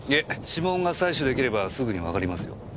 指紋が採取出来ればすぐにわかりますよ。